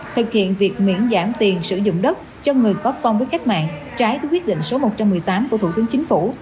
thực hiện việc miễn giảm tiền sử dụng đất cho người có công với cách mạng trái với quyết định số một trăm một mươi tám của thủ tướng chính phủ